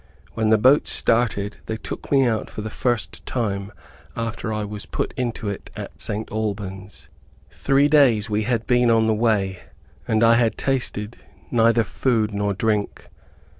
When the boat started, they took me out for the first time after I was put into it at St. Albans. Three days we had been on the way, and I had tasted neither food nor drink.